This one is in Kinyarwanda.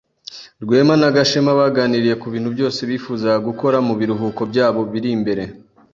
Rwema na Gashema baganiriye kubintu byose bifuzaga gukora mubiruhuko byabo biri imbere.